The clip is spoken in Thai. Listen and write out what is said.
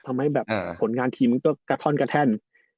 ทำให้ผลงานทีมก็กระท่อนกระแทน